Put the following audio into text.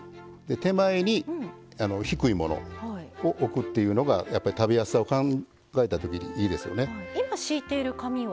手前に低いものを置くっていうのがやっぱり食べやすさを考えたときに今、敷いている紙は？